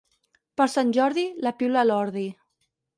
Per Sant Jordi, la piula a l'ordi.